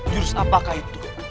jurus apakah itu